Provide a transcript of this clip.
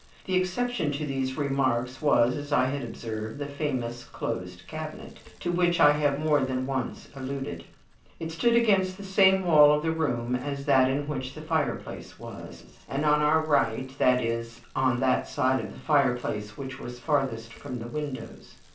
The exception to these remarks was, as I had observed, the famous closed cabinet, to which I have more than once alluded. It stood against the same wall of the room as that in which the fireplace was, and on our right that is, on that side of the fireplace which was farthest from the windows.